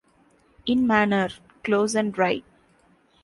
In manner: close and dry.